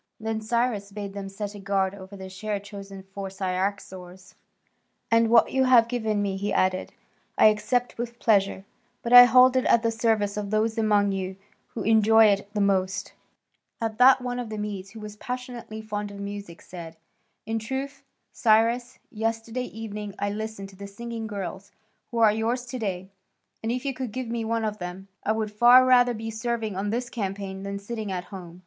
Then Cyrus bade them set a guard over the share chosen for Cyaxares, selecting those whom he knew were most attached to their lord, "And what you have given me," he added, "I accept with pleasure, but I hold it at the service of those among you who would enjoy it the most." At that one of the Medes who was passionately fond of music said, "In truth, Cyrus, yesterday evening I listened to the singing girls who are yours to day, and if you could give me one of them, I would far rather be serving on this campaign than sitting at home."